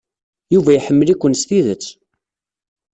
Yuba iḥemmel-iken s tidet.